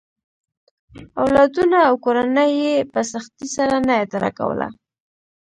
اولادونه او کورنۍ یې په سختۍ سره نه اداره کوله.